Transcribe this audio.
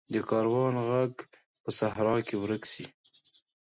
د کاروان ږغ په صحرا کې ورک شي.